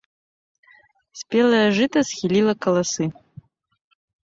Спелае жыта схіліла каласы.